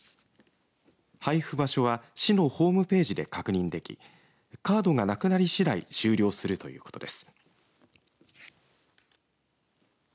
配布場所は市のホームページで確認できカードがなくなり次第終了するということです。